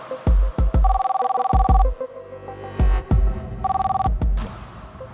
luar biasa mereka oke